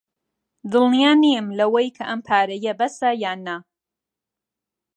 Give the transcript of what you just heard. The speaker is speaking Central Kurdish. دڵنیا نیم لەوەی کە ئەم پارەیە بەسە یان نا.